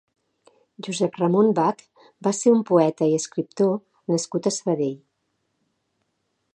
Josep-Ramon Bach va ser un poeta i escriptor nascut a Sabadell.